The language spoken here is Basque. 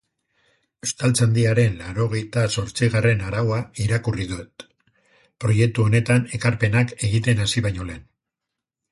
Euskaltzaindiaren laurogeita zortzigarren araua irakurri dut proiektu honetan ekarpenak egiten hasi baino lehen.